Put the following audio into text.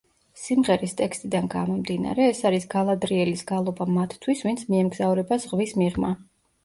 სიმღერის ტექსტიდან გამომდინარე, ეს არის გალადრიელის გალობა მათთვის, ვინც მიემგზავრება ზღვის მიღმა.